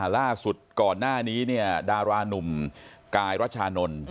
ลาศุกร่อนหน้านี้ดาราหนุ่มไกรรัชานนทร์